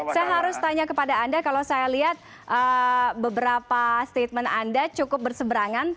saya harus tanya kepada anda kalau saya lihat beberapa statement anda cukup berseberangan